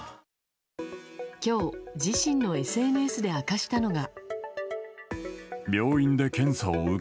今日、自身のＳＮＳで明かしたのが。